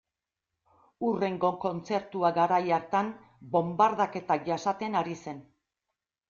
Hurrengo kontzertua garai hartan bonbardaketak jasaten ari zen.